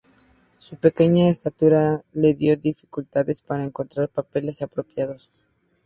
Su pequeña estatura le dio dificultades para encontrar papeles apropiados.